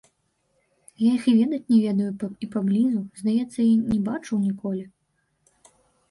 Я іх і ведаць не ведаю і паблізу, здаецца, не бачыў ніколі.